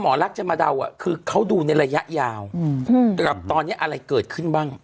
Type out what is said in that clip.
หมอลักษณ์จะมาเดาคือเขาดูในระยะยาวกับตอนนี้อะไรเกิดขึ้นบ้าง